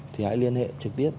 thì hãy liên hệ trực tiếp